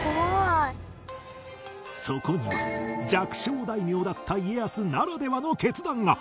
そこには弱小大名だった家康ならではの決断が